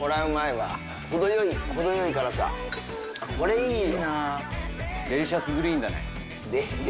これいいよ。